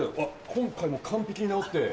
今回も完璧に直って。